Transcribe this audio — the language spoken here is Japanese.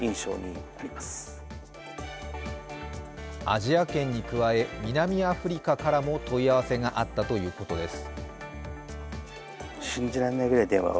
アジア圏に加え、南アフリカからも問い合わせがあったということです。